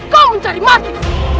kau mencari mati